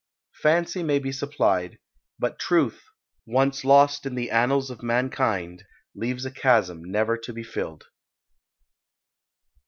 Fancy may be supplied; but Truth once lost in the annals of mankind leaves a chasm never to be filled.